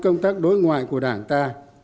công tác đối ngoại của đảng ta